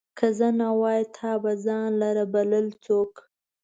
که زه نه وای، تا به ځان لره بلل څوک